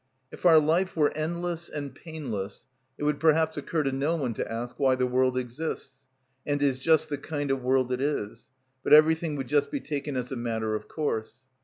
If our life were endless and painless, it would perhaps occur to no one to ask why the world exists, and is just the kind of world it is; but everything would just be taken as a matter of course.